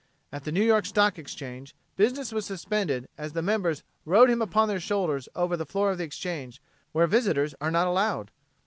At the New York Stock Exchange business was suspended as the members rode him upon their shoulders over the floor of the Exchange where visitors are not allowed.